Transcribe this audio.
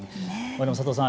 佐藤さん